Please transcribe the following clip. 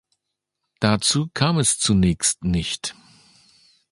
Dazu kam es zunächst nicht.